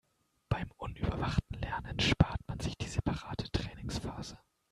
Beim unüberwachten Lernen spart man sich die separate Trainingsphase.